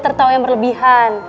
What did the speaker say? tertawa yang berlebihan